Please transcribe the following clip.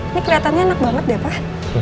ini kelihatannya enak banget deh pak